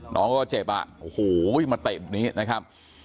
น้องก็เจ็บอ่ะโอ้โหมาเตะแบบนี้นะครับ